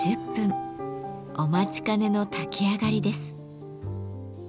お待ちかねの炊き上がりです。